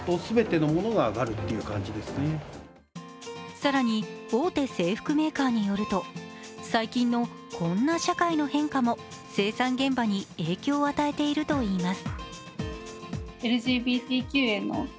更に大手制服メーカーによると、最近のこんな社会の変化も生産現場に影響を与えているといいます。